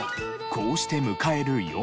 こうして迎える４番。